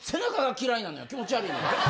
気持ち悪い。